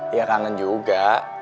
iya kangen juga